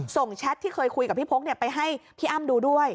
แชทที่เคยคุยกับพี่พกไปให้พี่อ้ำดูด้วย